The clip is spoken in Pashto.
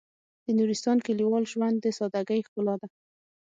د نورستان کلیوال ژوند د سادهګۍ ښکلا ده.